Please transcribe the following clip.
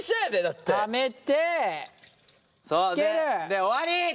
で終わり！